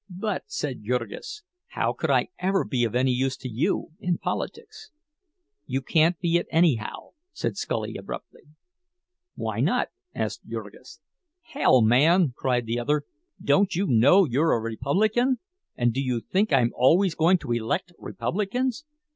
"But," said Jurgis, "how could I ever be of any use to you—in politics?" "You couldn't be it anyhow," said Scully, abruptly. "Why not?" asked Jurgis. "Hell, man!" cried the other. "Don't you know you're a Republican? And do you think I'm always going to elect Republicans?